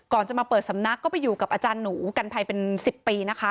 ก่อนจะมาเปิดสำนักก็ไปอยู่กับอาจารย์หนูกันภัยเป็น๑๐ปีนะคะ